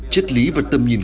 chất lý và tâm nhìn